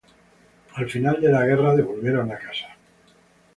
Al final de la guerra la casa fue devuelta.